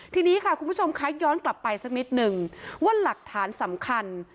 ทีนี้ค่ะคุณผู้ชมคะย้อนกลับไปสักนิดนึงว่าหลักฐานสำคัญ